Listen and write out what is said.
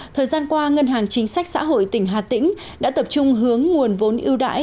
thời gian qua ngân hàng chính sách xã hội tỉnh hà tĩnh đã tập trung hướng nguồn vốn ưu đãi